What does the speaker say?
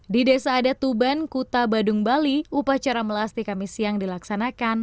di desa adatuban kuta badung bali upacara melasti kami siang dilaksanakan